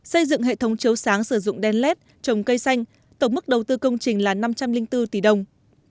xây dựng hệ thống chấu sáng sử dụng đen lết trồng cây xanh tổng mức đầu tư công trình là năm trăm linh bốn tỷ đồng